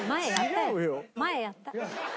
前やったよ。